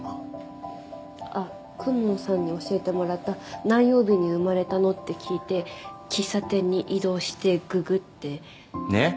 あっ公文さんに教えてもらった「何曜日に生まれたの？」って聞いて喫茶店に移動してググってねえ